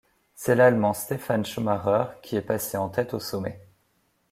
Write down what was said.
C'est l'Allemand Stefan Schumacher qui est passé en tête au sommet.